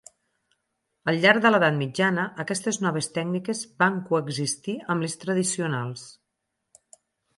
Al llarg de l'edat mitjana aquestes noves tècniques van coexistir amb les tradicionals.